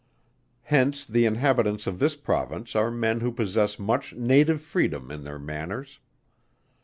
Hence the inhabitants of this Province are men who possess much native freedom in their manners.